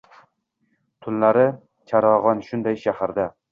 Tunlari charog’on shunday shaharda